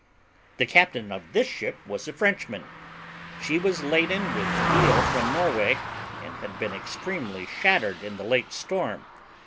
The captain of this ship was a Frenchman; she was laden with deal from Norway, and had been extremely shattered in the late storm.